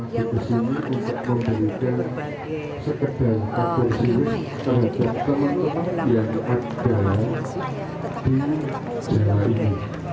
yang pertama adalah kami berbagai agama ya jadi kami yang dalam doa kami tetap mengusung doa